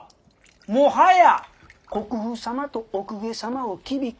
もはや国父様とお公家様をきびっ